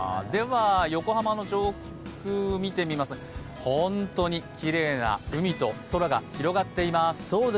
横浜の上空を見てみますが、本当にきれいな海と空が広がっています。